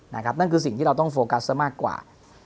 นั่นคือสิ่งที่เราต้องโฟกัสซะมากกว่า